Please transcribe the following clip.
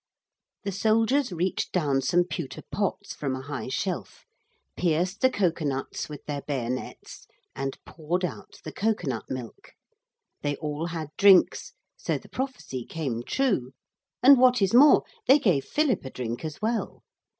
The soldiers reached down some pewter pots from a high shelf pierced the cocoa nuts with their bayonets and poured out the cocoa nut milk. They all had drinks, so the prophecy came true, and what is more they gave Philip a drink as well.